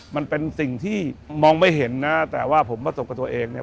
มันเป็นสิ่งที่มองไม่เห็นนะแต่ว่าผมประสบกับตัวเองเนี่ย